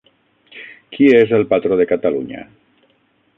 Qui és el patró de Catalunya?